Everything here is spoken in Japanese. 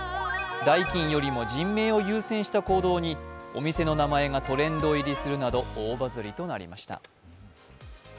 代金よりも人命を優先した行動にお店の名前がトレンド入りするなど大バズりとなりました。